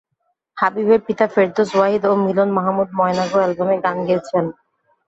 হাবিবের পিতা ফেরদৌস ওয়াহিদ ও মিলন মাহমুদ ময়না গো অ্যালবামে গান গেয়েছেন।